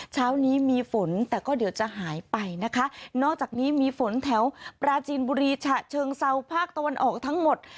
เช้านี้มีฝนแต่ก็เดี๋ยวจะหายไปนะคะนอกจากนี้มีฝนแถวปราจีนบุรีฉะเชิงเซาภาคตะวันออกทั้งหมด